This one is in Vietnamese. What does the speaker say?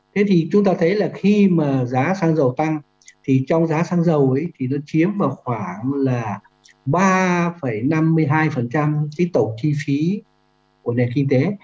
thế thì chúng ta thấy là khi mà giá xăng dầu tăng thì trong giá xăng dầu ấy thì nó chiếm vào khoảng là ba năm mươi hai cái tổng chi phí của nền kinh tế